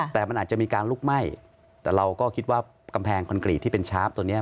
แต่มันอาจจะมีการลุกไหม้แต่เราก็คิดว่ากำแพงคอนกรีตที่เป็นชาร์ฟตัวเนี้ย